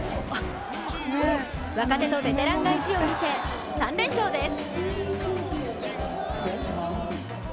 若手とベテランが意地を見せ３連勝です。